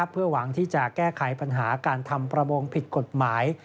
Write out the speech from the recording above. เพื่อหวังที่จะแก้ไขปัญหาการทำประมงผิดกฎหมาย